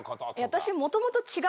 私。